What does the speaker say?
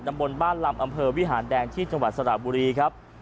บนบ้านลำอำเภอวิหารแดงที่จังหวัดสระบุรีครับ